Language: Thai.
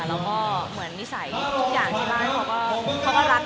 แล้วก็เหมือนนิสัยทุกอย่างที่บ้านเขาก็รักในความเป็นพุทธ